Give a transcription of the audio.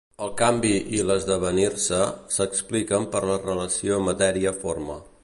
El canvi i l'esdevenir-se s'expliquen per la relació matèria-forma